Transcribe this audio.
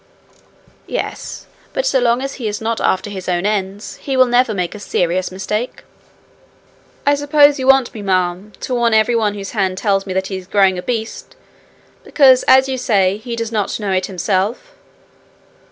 'Yes. But so long as he is not after his own ends, he will never make a serious mistake.' 'I suppose you want me, ma'am, to warn every one whose hand tells me that he is growing a beast because, as you say, he does not know it himself.'